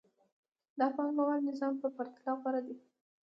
دا د پانګوال نظام په پرتله غوره دی